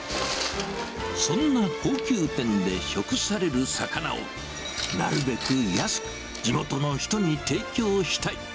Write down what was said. そんな高級店で食される魚を、なるべく安く地元の人に提供したい。